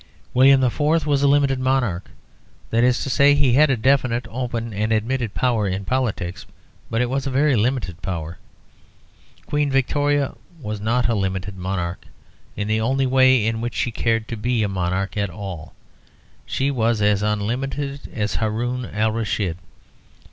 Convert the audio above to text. William IV. was a limited monarch; that is to say, he had a definite, open, and admitted power in politics, but it was a limited power. Queen Victoria was not a limited monarch; in the only way in which she cared to be a monarch at all she was as unlimited as Haroun Alraschid.